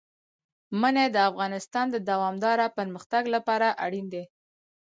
منی د افغانستان د دوامداره پرمختګ لپاره اړین دي.